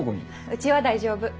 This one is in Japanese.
うちは大丈夫。